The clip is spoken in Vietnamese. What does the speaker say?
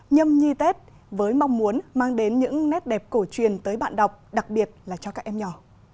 nhâm nhi tết với mong muốn mang đến những nét đẹp cổ truyền tới bạn đọc đặc biệt là cho các em nhỏ